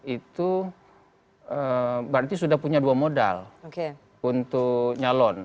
itu berarti sudah punya dua modal untuk nyalon